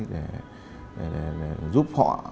để giúp họ